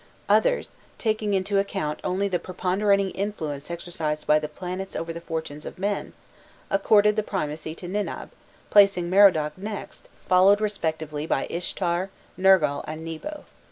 Others, taking into account only the preponderating influence exercised by the planets over the fortunes of men, accorded the primacy to Ninib, placing Merodach next, followed respectively by Ishtar, Nergal, and Nebo.